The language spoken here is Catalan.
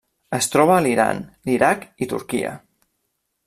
Es troba a l'Iran, l'Iraq i Turquia.